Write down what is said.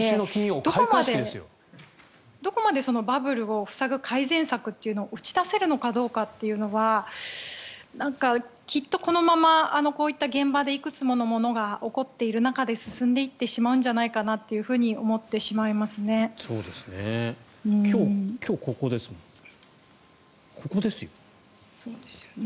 どこまでバブルを塞ぐ改善策を打ち出せるのかというのはなんか、きっとこのままこういった現場でいくつものものが起こっている中で進んでいってしまうんじゃないかと思ってしまいますね。